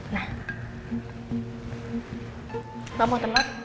mbak mau telur